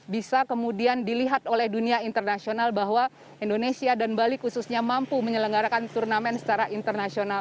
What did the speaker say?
bisa kemudian dilihat oleh dunia internasional bahwa indonesia dan bali khususnya mampu menyelenggarakan turnamen secara internasional